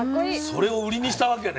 それを売りにしたわけね。